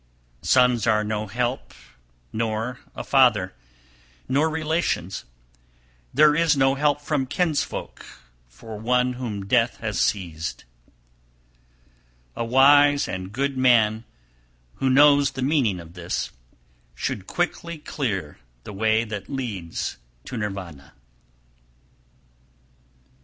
Sons are no help, nor a father, nor relations; there is no help from kinsfolk for one whom death has seized. 289. A wise and good man who knows the meaning of this, should quickly clear the way that leads to Nirvana.